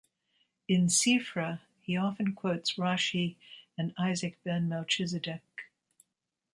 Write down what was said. In "Sifra" he often quotes Rashi and Isaac ben Melchizedek.